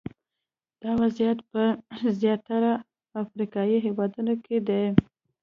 دا وضعیت په زیاتره افریقایي هېوادونو کې دی.